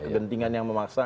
kegentingan yang memaksa